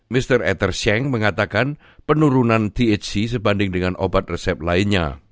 mr ether sheng mengatakan penurunan thc sebanding dengan obat resep lainnya